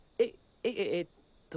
ええっと。